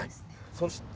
そして。